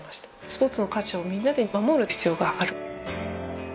スポーツの価値をみんなで守る必要がある。